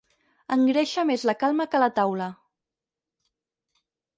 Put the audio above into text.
Engreixa més la calma que la taula.